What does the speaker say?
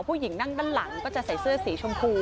ผู้หญิงนั่งด้านหลังก็จะใส่เสื้อสีชมพู